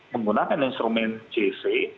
menggunakan instrumen gc